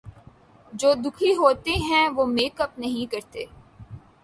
جو دکھی ھوتے ہیں وہ میک اپ نہیں کرتے ہیں